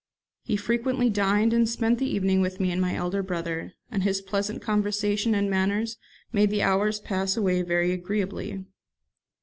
He frequently dined and spent the evening with me and my elder brother; and his pleasant conversation and manners made the hours pass away very agreeably.